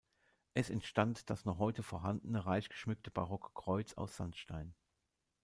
Es entstand das noch heute vorhandene, reich geschmückte barocke Kreuz aus Sandstein.